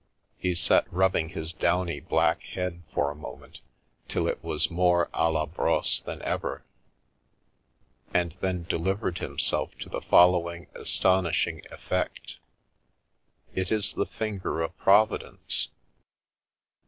He sat rubbing his downy black head for a moment till it was more a la brosse than ever, and then delivered him self to the following astonishing effect: " It is the finger of Providence.